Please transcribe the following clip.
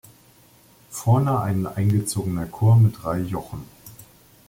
Vorne ein eingezogener Chor mit drei Jochen.